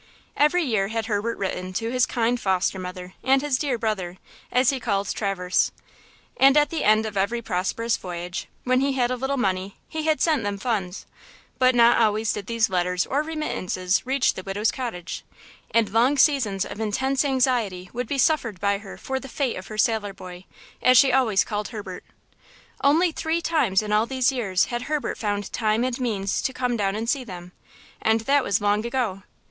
Every year had Herbert written to his kind foster mother and his dear brother, as he called Traverse. And at the end of every prosperous voyage, when he had a little money, he had sent them funds; but not always did these letters or remittances reach the widow's cottage, and long seasons of intense anxiety would be suffered by her for the fate of her sailor boy, as she always called Herbert. Only three times in all these years had Herbert found time and means to come down and see them, and that was long ago.